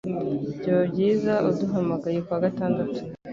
Byaba byiza uduhamagaye kuwa gatandatu.